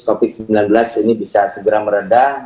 covid sembilan belas ini bisa segera meredah